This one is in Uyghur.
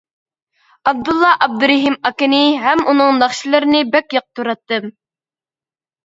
ئابدۇللا ئابدۇرېھىم ئاكىنى ھەم ئۇنىڭ ناخشىلىرىنى بەك ياقتۇراتتىم.